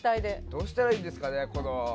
どうしたらいいんですかね。